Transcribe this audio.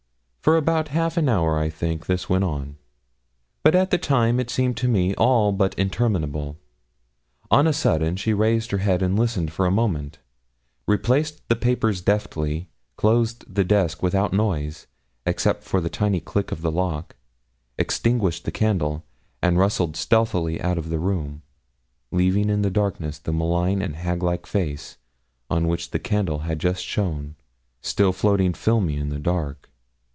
For about half an hour, I think, this went on; but at the time it seemed to me all but interminable. On a sudden she raised her head and listened for a moment, replaced the papers deftly, closed the desk without noise, except for the tiny click of the lock, extinguished the candle, and rustled stealthily out of the room, leaving in the darkness the malign and hag like face on which the candle had just shone still floating filmy in the dark.